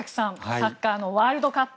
サッカーのワールドカップ